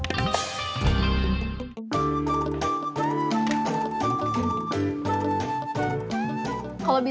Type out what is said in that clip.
tidak bisa lebihin